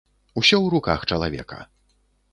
Усё ў руках чалавека.